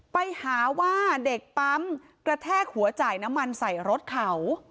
ไปหาว่าเด็กปั๊มกระแทกหัวจ่ายน้ำมันใส่รถเขา